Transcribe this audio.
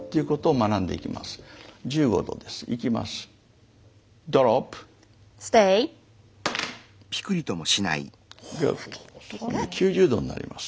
今度９０度になります。